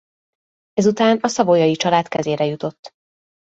Ezután a Savoyai-család kezére jutott.